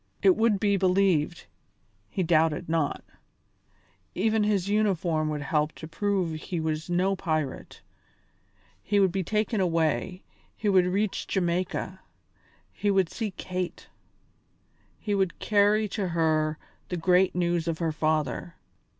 It would be believed, he doubted not; even his uniform would help to prove he was no pirate; he would be taken away, he would reach Jamaica; he would see Kate; he would carry to her the great news of her father.